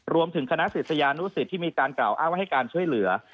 รวมถึงคณะศิษยานุสิตที่มีการกล่าวอ้างว่าให้การช่วยเหลือ